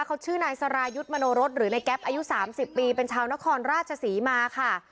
เขาชื่อนายสรายุทธ์มโนรสหรือในแก๊ปอายุ๓๐ปีเป็นชาวนครราชศรีมาค่ะ